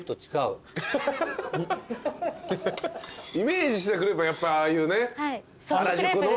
イメージしてたクレープはやっぱああいうね原宿の。